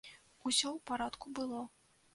Усё ў парадку было.